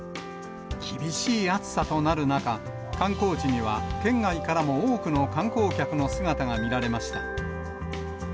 厳しい暑さとなる中、観光地には県外からも多くの観光客の姿が見られました。